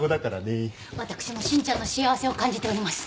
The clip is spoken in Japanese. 私も真ちゃんの幸せを感じております。